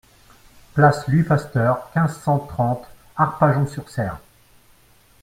Place Louis Pasteur, quinze, cent trente Arpajon-sur-Cère